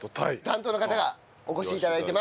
担当の方がお越し頂いてます。